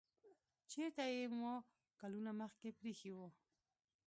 چیرته چې مو کلونه مخکې پریښی و